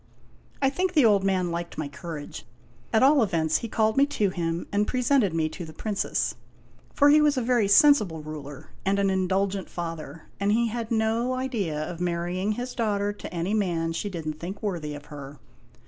I think the old man liked my courage. At all events, he called me to him, and presented me to the Princess. For he was a very sensible ruler and an indulgent father ; and he had no idea of marry ing his daughter to any man she did n't think worthy of her.